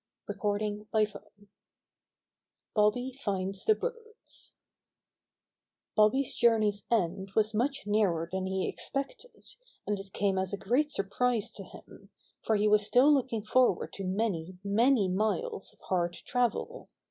STORY XIVi BoBBy Finds the Birds Bobby's journey end was much nearer than he expected, and it came as a great surprise to him, for he was still looking forward to many, many miles of hard travel.